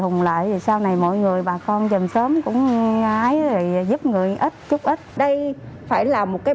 hùng lại sau này mọi người bà con dần sớm cũng ngái giúp người ít chút ít đây phải là một cái